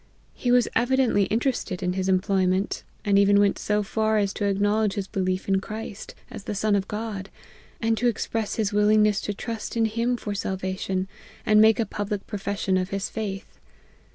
He was evi dently interested in his employment, and even went so far as to acknowledge his belief in Christ, as the Son of God, and to express his willingness to trust in him for salvation, and make a public profession of his faith.